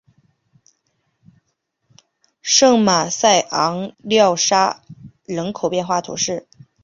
圣马塞昂缪拉人口变化图示